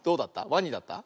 ワニだった？